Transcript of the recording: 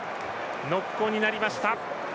ノックオンになりました。